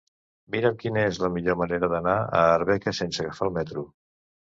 Mira'm quina és la millor manera d'anar a Arbeca sense agafar el metro.